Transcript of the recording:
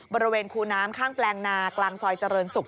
บริเวณคูน้ำข้างแปลงนากลางซอยเจริญศุกร์